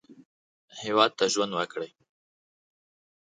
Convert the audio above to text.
هېواد ته ژوند وکړئ